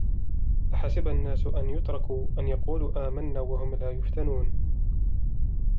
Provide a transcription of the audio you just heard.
أَحَسِبَ النَّاسُ أَنْ يُتْرَكُوا أَنْ يَقُولُوا آمَنَّا وَهُمْ لَا يُفْتَنُونَ